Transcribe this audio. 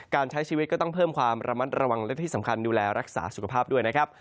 การใช้ชีวิตก็ต้องเพิ่มความระมัดระวังและที่สำคัญดูแลรักษาสุขภาพด้วยนะครับ